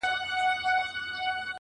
• لا به په تا پسي ژړېږمه زه.